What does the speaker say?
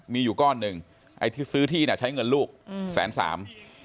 มีอยู่ก้อนหนึ่งซื้อที่ใช้เงินลูก๑๓๐๐๐๐บาท